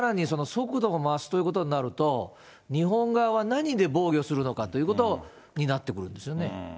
だからこれがさらに速度が増すということになると、日本側は何で防御するのかということになってくるんですよね。